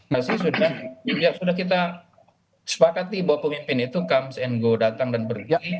maksudnya sudah kita sepakati bahwa pemimpin itu comes and go datang dan pergi